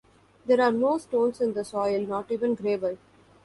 There are no stones in the soil, not even gravel.